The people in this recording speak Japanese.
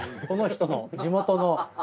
この人の地元の。